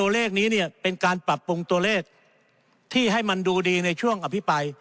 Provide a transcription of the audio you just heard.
และปรับปรุงตัวเลขที่ให้มันดูดีในช่วงอภิปราย